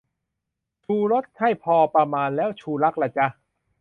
"ชูรส" ให้พอประมาณ แล้ว "ชูรัก" ล่ะจ๊ะ ?